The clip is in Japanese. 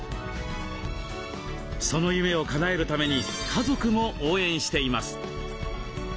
その夢をかなえるために家族も応援しています。